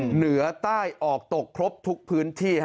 เหนือใต้ออกตกครบทุกพื้นที่